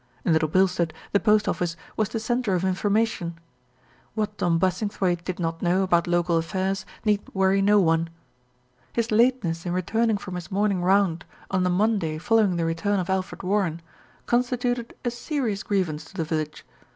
In Little Bilstead the post office was the centre of 172 THE RETURN OF ALFRED information. What Tom Bassingthwaighte did not know about local affairs need worry no one. His lateness in returning from his morning round on the Monday following the return of Alfred Warren constituted a serious grievance to the village.